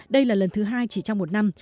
đây là lần thứ hai chỉ trong một năm